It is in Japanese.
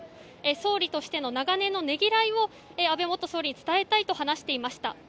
総理としての長年のねぎらいを安倍元総理に伝えたいと話していました。